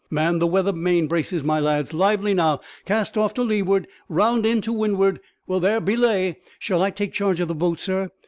"Man the weather main braces, my lads; lively, now. Cast off to leeward; round in to windward. Well there; belay. Shall I take charge of the boat, sir?"